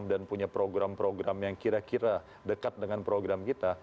dan punya program program yang kira kira dekat dengan program kita